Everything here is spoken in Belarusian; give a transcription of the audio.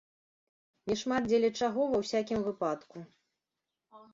Не шмат дзеля чаго, ва ўсякім выпадку.